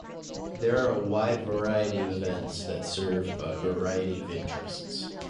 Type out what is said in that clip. There are a wide variety of events that serve a variety of interests.